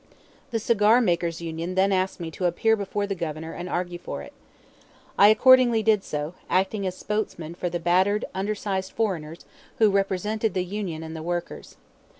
The Cigar makers' Union then asked me to appear before the Governor and argue for it. I accordingly did so, acting as spokesman for the battered, undersized foreigners who represented the Union and the workers.